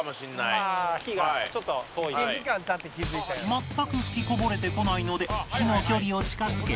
全く吹きこぼれてこないので火の距離を近づけ